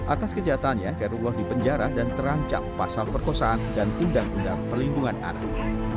atas kejahatannya kairullah dipenjara dan terancam pasal perkosaan dan undang undang perlindungan anak